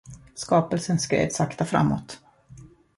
Skapelsen skred sakta framåt.